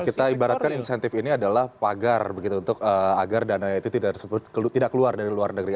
kita ibaratkan insentif ini adalah pagar begitu untuk agar dana itu tidak keluar dari luar negeri